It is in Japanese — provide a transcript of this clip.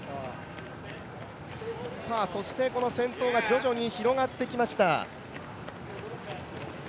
そしてこの先頭が徐々に広がってきました。